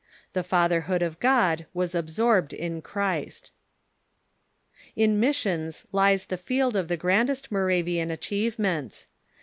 The Fatherhood of God was absorbed in Christ. In missions lies the field of the grandest Moravian achieve ments.